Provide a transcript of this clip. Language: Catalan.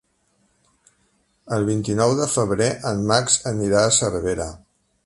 El vint-i-nou de febrer en Max anirà a Cervera.